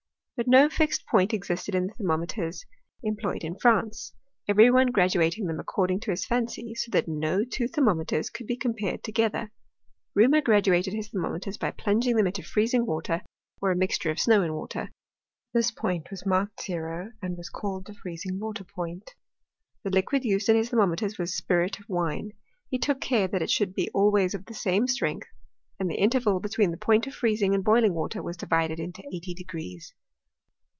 but no fixed point existed in the thermometers em* t I THEOAT IN CHEMISTRr. 283 Idoyed in France, every one graduating them accord* s^ ing to his fancy ; so that no two thermometers could ti ' le compared together. Reaumur graduated his ther 0 ttometers by plunging them into freezing water or a i^l loixture of snow and water. This point was marked ttro, and was called the freezing water point. The liquid used in his thermometers was spirit of wine : h^ took care that it should be always of the same ^l strength, and the interval between the point of freez ff ing and boiling water was divided into eighty degrees.